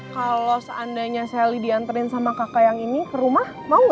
kalau seandainya sally diantarin sama kakak yang ini ke rumah mau nggak